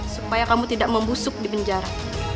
supaya kamu tidak membusuk di penjara